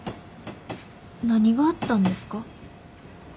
何があったんですか？